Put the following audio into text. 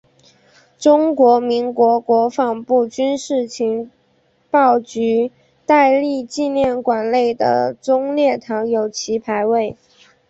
中华民国国防部军事情报局戴笠纪念馆内的忠烈堂有其牌位。